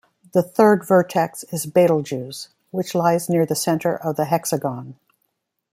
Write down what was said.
The third vertex is Betelgeuse, which lies near the center of the hexagon.